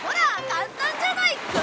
簡単じゃないかあ！？